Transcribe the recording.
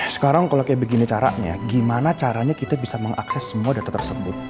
sekarang kalau kayak begini caranya gimana caranya kita bisa mengakses semua data tersebut